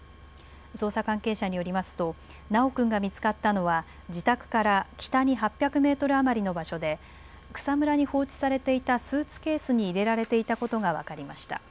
捜査関係者によりますと修君が見つかったのは自宅から北に８００メートル余りの場所で草むらに放置されていたスーツケースに入れられていたことが分かりました。